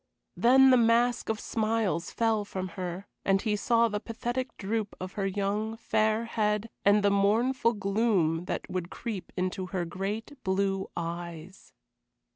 Then the mask of smiles fell from her, and he saw the pathetic droop of her young, fair head and the mournful gloom that would creep into her great, blue eyes.